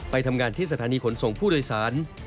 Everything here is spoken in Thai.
ไปทำงานที่สถานีขนส่งผู้โดยสาร